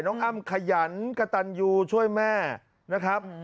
อ้ำขยันกระตันยูช่วยแม่นะครับ